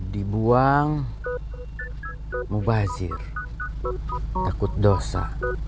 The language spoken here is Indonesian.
dibuang mubazir takut dosa